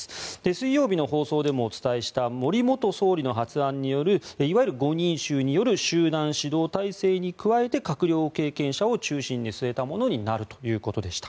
水曜日の放送でもお伝えした森元総理の発案によるいわゆる５人衆による集団指導体制に加えて閣僚経験者を中心に据えたものになるということでした。